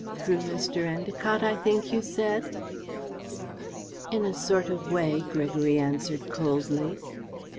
"Through Mr. Endacott, I think you said?" "In a sort of way," Gregory answered coldly.